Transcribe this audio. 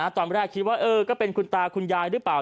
ตอนแรกคิดว่าก็เป็นคุณตาคุณยายหรือเปล่า